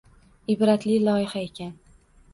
Ibratli loyiha ekan.